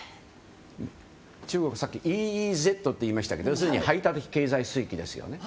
中国さっきＥＥＺといいましたけど要するに排他的経済水域ですよね。